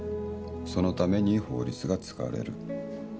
そのために法律が使われる。